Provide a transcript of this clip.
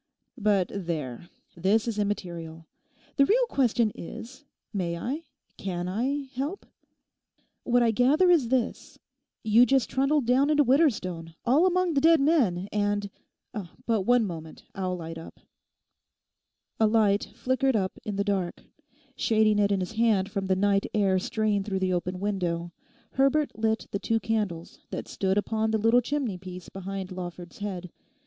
But there, this is immaterial. The real question is, may I, can I help? What I gather is this: You just trundled down into Widderstone all among the dead men, and—but one moment, I'll light up.' A light flickered up in the dark. Shading it in his hand from the night air straying through the open window, Herbert lit the two candles that stood upon the little chimneypiece behind Lawford's head.